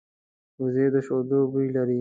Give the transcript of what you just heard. وزې د شیدو بوی لري